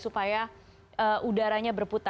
supaya udaranya berputaran udara